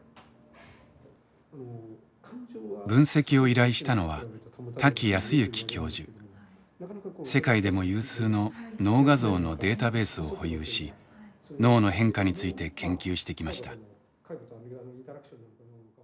分析を依頼したのは世界でも有数の脳画像のデータベースを保有し脳の変化について研究してきました。